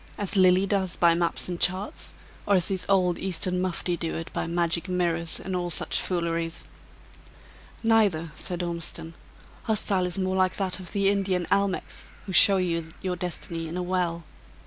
As Lilly does by maps and charts; or as these old Eastern mufti do it by magic mirrors and all each fooleries?" "Neither," said Ormiston, "her style in more like that of the Indian almechs, who show you your destiny in a well.